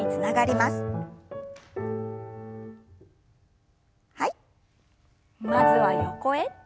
まずは横へ。